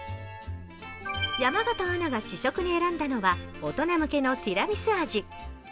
山形アナが試食に選んだのは、大人向けのテラミス味。